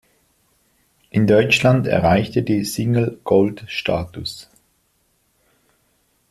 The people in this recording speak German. In Deutschland erreichte die Single Gold-Status.